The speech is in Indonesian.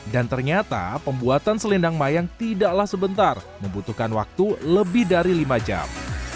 dan ternyata pembuatan selendang mayang tidaklah sebentar membutuhkan waktu lebih dari lima jam